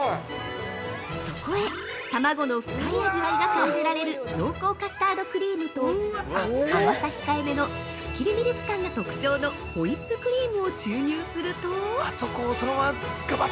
◆そこへ、卵の深い味わいが感じられる濃厚カスタードクリームと甘さ控えめのすっきりミルク感が特徴のホイップクリームを注入すると。